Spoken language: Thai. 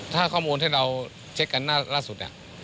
ถ้าข้อมูลที่เราเช็คกันรักสุดเนี่ย